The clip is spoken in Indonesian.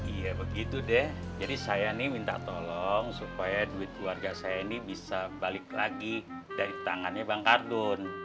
iya begitu deh jadi saya nih minta tolong supaya duit keluarga saya ini bisa balik lagi dari tangannya bang kardun